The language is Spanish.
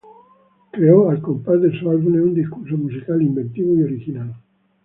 Creó, al compás de sus álbumes, un discurso musical inventivo y original.